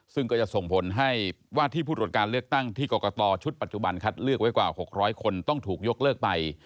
ซึ่งก็จะส่งผลให้ว่าที่ผู้ตรวจการเลือกตั้งที่กรกตชุดปัจจุบันคัดเลือกไว้กว่า๖๐๐คนต้องถูกยกเลิกไป